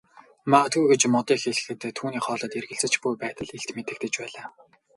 Магадгүй гэж Модыг хэлэхэд түүний хоолойд эргэлзэж буй байдал илт мэдрэгдэж байлаа.